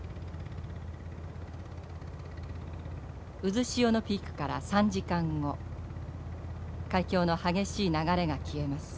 渦潮のピークから３時間後海峡の激しい流れが消えます。